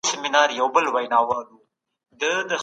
له بدعتونو او خرافاتو څخه ځان وساتئ.